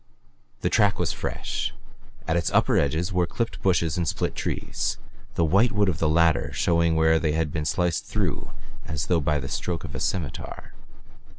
The track was fresh. At its upper edges were clipped bushes and split trees, the white wood of the latter showing where they had been sliced as though by the stroke of a scimitar.